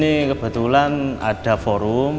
di sini kebetulan ada forum